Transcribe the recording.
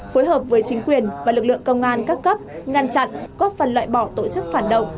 phối hợp với chính quyền và lực lượng công an các cấp ngăn chặn góp phần loại bỏ tổ chức phản động